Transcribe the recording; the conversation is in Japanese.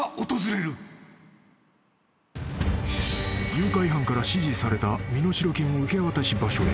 ［誘拐犯から指示された身代金受け渡し場所へ］